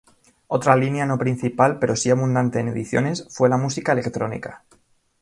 Otra línea, no principal, pero sí abundante en ediciones, fue la música electrónica.